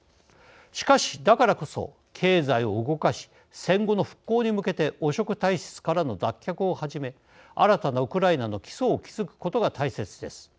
しかし、だからこそ経済を動かし戦後の復興に向けて汚職体質からの脱却をはじめ新たなウクライナの基礎を築くことが大切です。